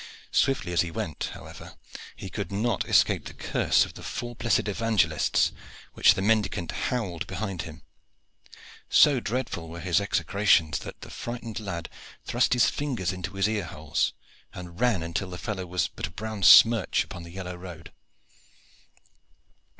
Swiftly as he went, however, he could not escape the curse of the four blessed evangelists which the mendicant howled behind him. So dreadful are his execrations that the frightened lad thrust his fingers into his ear holes, and ran until the fellow was but a brown smirch upon the yellow road.